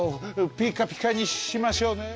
ピッカピカにしましょうね。